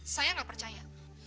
saya gak percaya